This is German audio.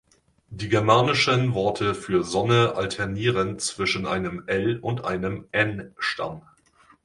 Die germanischen Worte für „Sonne“ alternieren zwischen einem "l"- und einem "n"-Stamm.